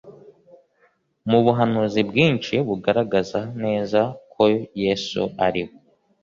mu buhanuzi bwinshi bugaragaza neza ko yesu ari we